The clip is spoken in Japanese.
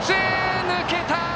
抜けた！